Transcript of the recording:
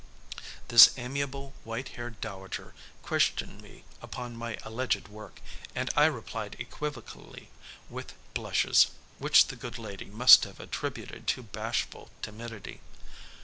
This amiable white haired dowager questioned me upon my alleged work and I replied equivocally, with blushes, which the good lady must have attributed to bashful timidity.